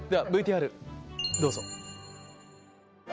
ではＶＴＲどうぞ。